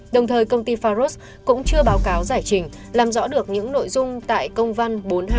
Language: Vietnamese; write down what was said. đồng thời công ty pharos cũng chưa báo cáo giải trình làm rõ được những nội dung tại công văn bốn nghìn hai trăm chín mươi tám